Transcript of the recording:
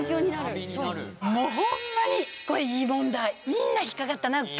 みんな引っかかったな。